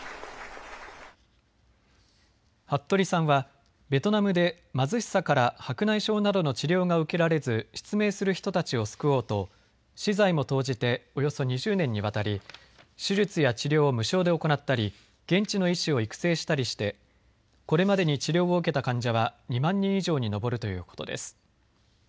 服部さんは、ベトナムで貧しさから白内障などの治療が受けられず失明する人たちを救おうと私財も投じておよそ２０年にわたり手術や治療を無償で行ったり現地の医師を育成したりしてこれまでに治療を受けた患者は２万人以上に上るということです。